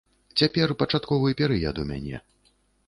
Цяпер пачатковы перыяд у мяне.